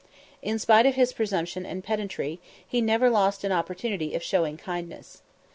In spite of his presumption and pedantry, he never lost an opportunity of showing kindness.